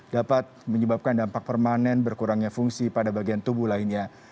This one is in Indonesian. dapat menyebabkan dampak permanen berkurangnya fungsi pada bagian tubuh lainnya